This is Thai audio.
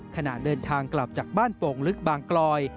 ขณะเดินทางกลับจากบ้านโป่งลึกบางกลอย